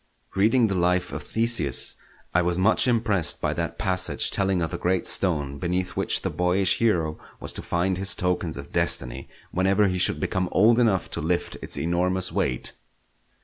Reading the life of Theseus, I was much impressed by that passage telling of the great stone beneath which the boyish hero was to find his tokens of destiny whenever he should become old enough to lift its enormous weight.